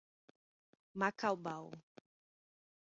Macaubal